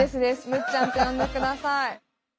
むっちゃんって呼んで下さい。